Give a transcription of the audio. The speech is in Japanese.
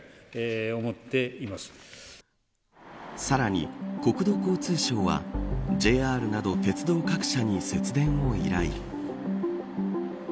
さらに国土交通省はＪＲなど鉄道各社に節電を依頼。